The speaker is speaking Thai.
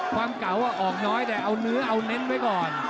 ความเก่าออกน้อยแต่เอาเนื้อเอาเน้นไว้ก่อน